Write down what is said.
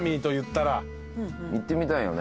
行ってみたいよね。